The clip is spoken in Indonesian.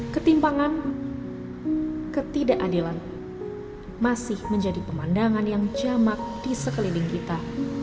ketimpangan ketidakadilan masih menjadi pemandangan yang jamak di sekeliling kita